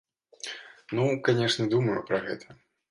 Ну, канешне, думаю пра гэта.